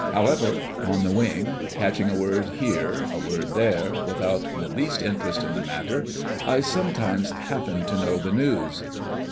However, on the wing, catching a word here, a word there, without the least interest in the matter, I sometimes happen to know the news.